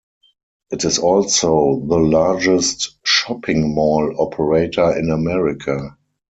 It is also the largest shopping mall operator in America.